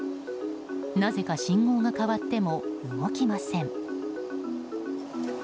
なぜか信号が変わっても動きません。